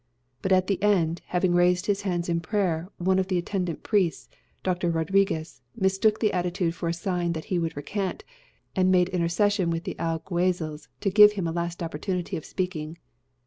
But at the end, having raised his hands in prayer, one of the attendant priests Dr. Rodriguez mistook the attitude for a sign that he would recant, and made intercession with the Alguazils to give him a last opportunity of speaking.